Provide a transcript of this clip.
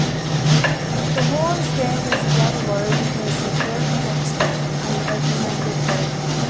The horn's gain is again low because the throat approximates an open-ended waveguide.